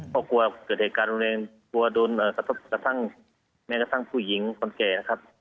เพราะกลัวเกิดเหตุการณ์รุนแรงกลัวโดนกระทบกระทั่งแม้กระทั่งผู้หญิงคนแก่นะครับ